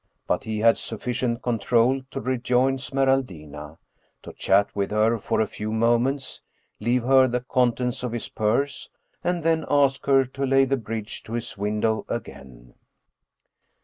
But he had sufficient control to rejoin Smeraldina, to chat with her for a few moments, leave her the contents of his purse, and then ask her to lay the bridge to his window again.